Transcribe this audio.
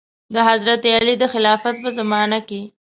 د حضرت علي د خلافت په زمانه کې.